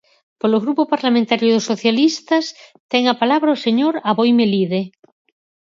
Polo Grupo Parlamentario dos Socialistas, ten a palabra o señor Aboi Melide.